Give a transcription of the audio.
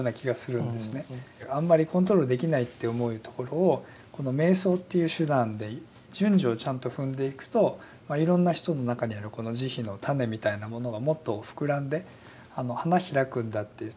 あんまりコントロールできないって思うところをこの瞑想っていう手段で順序をちゃんと踏んでいくといろんな人の中にあるこの慈悲の種みたいなものがもっと膨らんで花開くんだって。